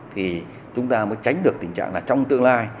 thì chúng ta mới tránh được tình trạng là trong tương lai